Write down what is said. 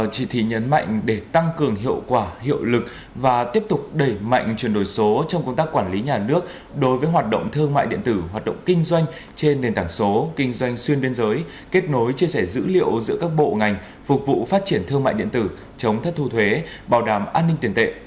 chỉ thị nhấn mạnh để tăng cường hiệu quả hiệu lực và tiếp tục đẩy mạnh chuyển đổi số trong công tác quản lý nhà nước đối với hoạt động thương mại điện tử hoạt động kinh doanh trên nền tảng số kinh doanh xuyên biên giới kết nối chia sẻ dữ liệu giữa các bộ ngành phục vụ phát triển thương mại điện tử chống thất thu thuế bảo đảm an ninh tiền tệ